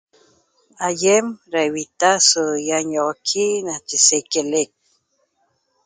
Aiem ra ivita so ýañoxoqui nache sequelec